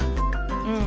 うん。